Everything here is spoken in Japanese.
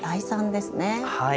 はい。